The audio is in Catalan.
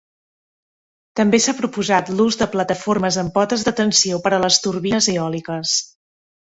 També s'ha proposat l'ús de plataformes amb potes de tensió per a les turbines eòliques.